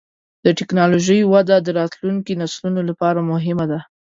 د ټکنالوجۍ وده د راتلونکي نسلونو لپاره مهمه ده.